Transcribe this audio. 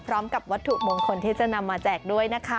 พร้อมกับวัตถุมงคลที่จะนำมาแจกด้วยนะคะ